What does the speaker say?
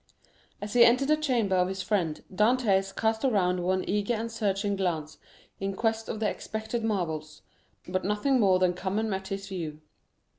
As he entered the chamber of his friend, Dantès cast around one eager and searching glance in quest of the expected marvels, but nothing more than common met his view.